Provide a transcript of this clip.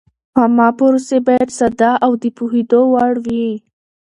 عامه پروسې باید ساده او د پوهېدو وړ وي.